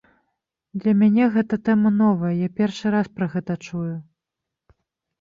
Для мяне гэта тэма новая, я першы раз пра гэта чую.